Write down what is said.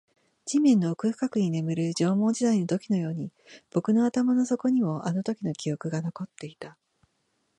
地面の奥深くに眠る縄文時代の土器のように、僕の頭の底にもあのときの記憶が残っていた